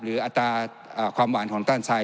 หรืออัตราความหวานของตลาดสาย